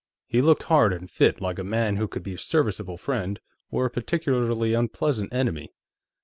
He looked hard and fit, like a man who could be a serviceable friend or a particularly unpleasant enemy.